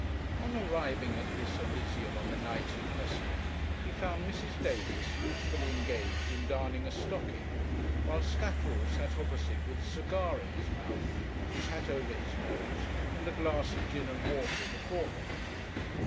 On arriving at this elysium, on the night in question, he found Mrs. Davis usefully engaged in darning a stocking, while Scatterall sat opposite with a cigar in his mouth, his hat over his nose, and a glass of gin and water before him.